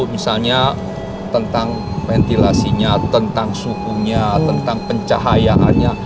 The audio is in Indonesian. misalnya tentang ventilasinya tentang suhunya tentang pencahayaannya